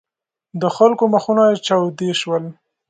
د خلکو مخونه چاودې شول.